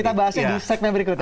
kita bahasnya di segmen berikutnya